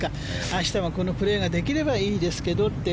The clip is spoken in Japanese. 明日もこのプレーができればいいですけどって。